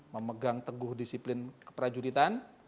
memegang teguh disiplin keprajuritan